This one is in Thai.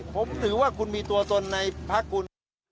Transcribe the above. ผมถือว่าคุณมีตัวตนในพักคุณ